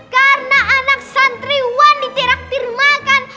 karena anak santriwan diteraktir makan